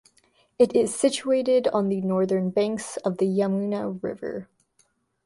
It is situated on the northern banks of the Yamuna River.